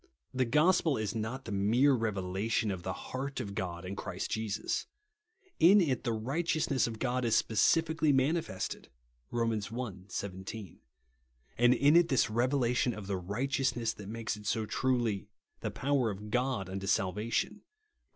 The gospel is not the mere revelation of the heart of God in Christ Jesus. In it the rigJiteousness of God is specially mani fested (Rom. i. 17) ; and it is this revela tion of the righteousness that makes it so truly " the povf er of God unto salvation," (Rom.